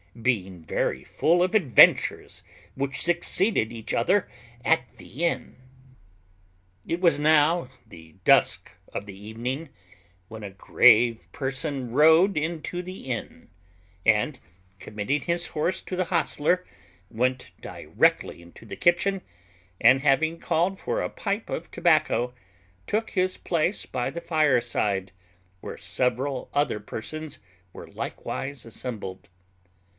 Being very full of adventures which succeeded each other at the inn. It was now the dusk of the evening, when a grave person rode into the inn, and, committing his horse to the hostler, went directly into the kitchen, and, having called for a pipe of tobacco, took his place by the fireside, where several other persons were likewise assembled.